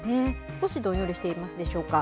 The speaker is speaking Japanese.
少しどんよりしていますでしょうか。